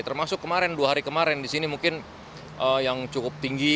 termasuk kemarin dua hari kemarin di sini mungkin yang cukup tinggi